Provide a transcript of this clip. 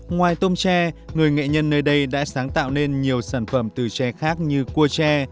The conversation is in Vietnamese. ngoài tôm tre người nghệ nhân nơi đây đã sáng tạo nên nhiều sản phẩm từ tre khác như cua tre